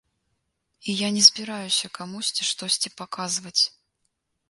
І я не збіраюся камусьці штосьці паказваць.